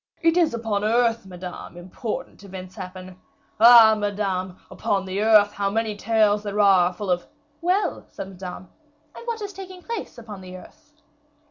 It is upon earth, madame, important events happen. Ah! Madame, upon the earth, how many tales are there full of " "Well," said Madame, "and what is taking place upon the earth?"